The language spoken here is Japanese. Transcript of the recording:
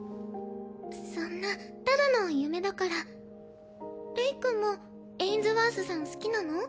そんなただの夢だからレイ君もエインズワースさん好きなの？